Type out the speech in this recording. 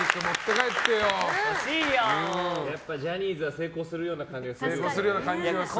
やっぱりジャニーズは成功するような感じがしますね。